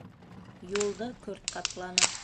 Юлды көрт ҡапланы.